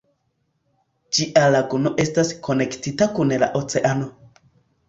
Ĝia laguno estas konektita kun la oceano.